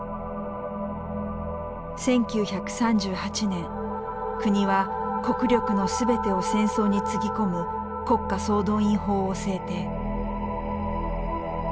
１９３８年国は国力の全てを戦争につぎ込む国家総動員法を制定。